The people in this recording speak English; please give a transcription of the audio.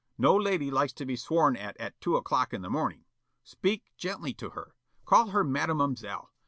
No lady likes to be sworn at at two o'clock in the morning. Speak gently to her. Call her Madamoiselle.